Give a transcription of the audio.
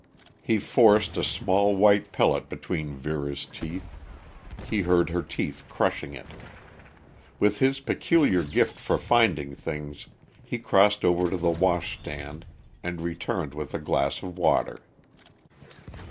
He forced a small white pellet between Vera's teeth; he heard her teeth crushing it. With his peculiar gift for finding things, he crossed over to the washstand and returned with a glass of water.